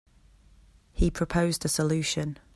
He proposed a solution.